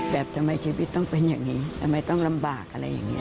แบบทำไมชีวิตต้องเป็นอย่างนี้ทำไมต้องลำบากอะไรอย่างนี้